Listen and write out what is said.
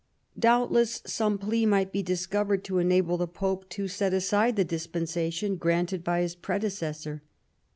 Doubtless some plea might be discovered to enable the Pope to set aside the dispensa tion granted by his predecessor.